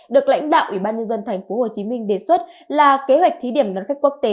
được lãnh đạo ủy ban nhân dân thành phố hồ chí minh đề xuất là kế hoạch thí điểm đón khách quốc tế